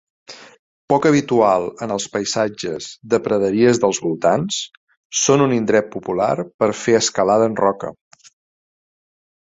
Poc habitual en els paisatges de praderies dels voltants, són un indret popular per fer escalada en roca.